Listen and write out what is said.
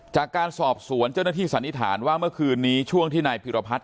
จากการสอบสวนเจ้าหน้าที่สันนิษฐานว่าเมื่อคืนนี้ช่วงที่นายพิรพัฒน